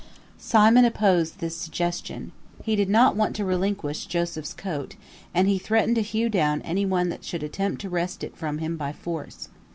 Simon opposed this suggestion. He did not want to relinquish Joseph's coat, and he threatened to hew down any one that should attempt to wrest it from him by force.